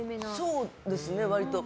そうですね、割と。